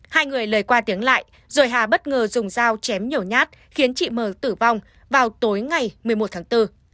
hai người lời qua tiếng lại rồi hà bất ngờ dùng dao chém nhiều nhát khiến chị m tử vong vào tối ngày một mươi một tháng bốn